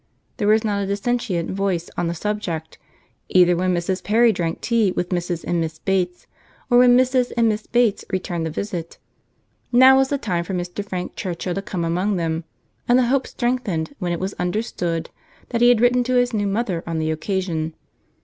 There was not a dissentient voice on the subject, either when Mrs. Perry drank tea with Mrs. and Miss Bates, or when Mrs. and Miss Bates returned the visit. Now was the time for Mr. Frank Churchill to come among them; and the hope strengthened when it was understood that he had written to his new mother on the occasion.